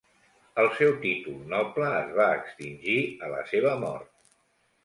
El seu títol noble es va extingir a la seva mort.